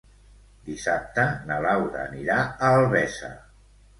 Dissabte na Laura anirà a Albesa.